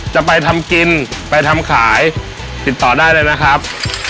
จะไปทำกินไปทำขายติดต่อได้เลยนะครับ